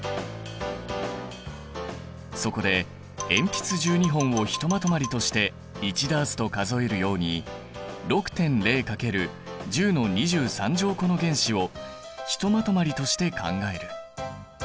そこで鉛筆１２本をひとまとまりとして１ダースと数えるように６．０×１０の２３乗個の原子をひとまとまりとして考える。